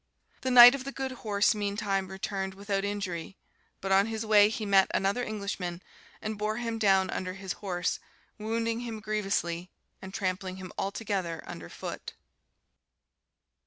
The knight of the good horse meantime returned without injury; but on his way he met another Englishman, and bore him down under his his horse, wounding him grievously, and trampling him altogether under foot.